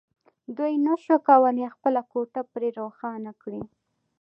دوی نشوای کولای خپله کوټه پرې روښانه کړي